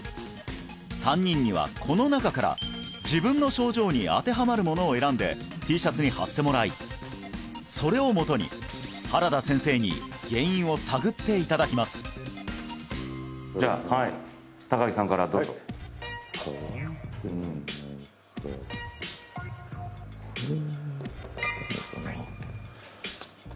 ３人にはこの中から自分の症状に当てはまるものを選んでＴシャツに貼ってもらいそれをもとに原田先生に原因を探っていただきますじゃあはい高木さんからどうぞこれかな